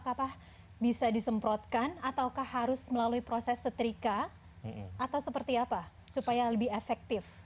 apakah bisa disemprotkan ataukah harus melalui proses setrika atau seperti apa supaya lebih efektif